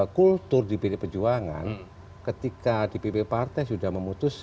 kultur dpd perjuangan ketika dpd partai sudah memutuskan